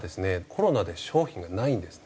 コロナで商品がないんですね。